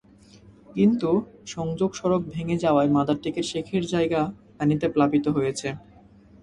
কিন্তু সংযোগ সড়ক ভেঙে যাওয়ায় মাদারটেকের শেখের জায়গা পানিতে প্লাবিত হয়েছে।